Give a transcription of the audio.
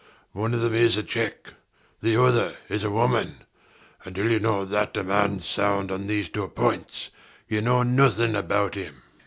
One of them is a cheque. The other is a woman. Until you know that a man's sound on these two points, you know nothing about him.